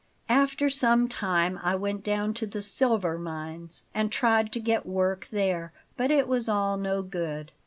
"After some time I went down to the silver mines and tried to get work there; but it was all no good.